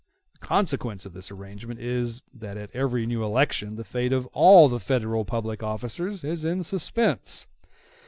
The consequence of this arrangement is, that at every new election the fate of all the Federal public officers is in suspense.